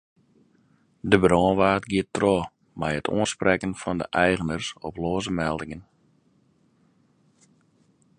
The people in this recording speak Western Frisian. De brânwacht giet troch mei it oansprekken fan de eigeners op loaze meldingen.